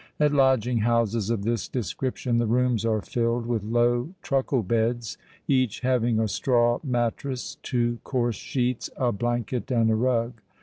At lodging houses of this description the rooms are filled with low truckle beds, each having a straw mattress, two coarse sheets, a blanket, and a rug.